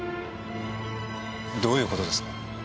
どういう事ですか？